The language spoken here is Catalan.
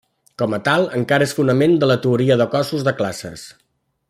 Com a tal, encara és el fonament de la teoria de cossos de classes.